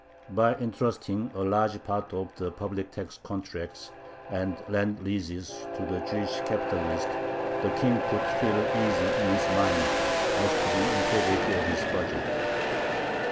By intrusting a large part of the public tax contracts and land leases to the Jewish capitalists, the King could feel easy in his mind as to the integrity of his budget.